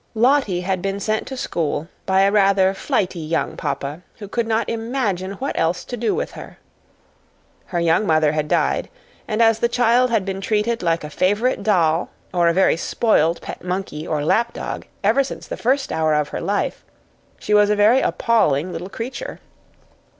Lottie had been sent to school by a rather flighty young papa who could not imagine what else to do with her. Her young mother had died, and as the child had been treated like a favorite doll or a very spoiled pet monkey or lap dog ever since the first hour of her life, she was a very appalling little creature.